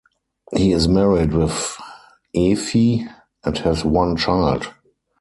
He is married with Efi and has one child.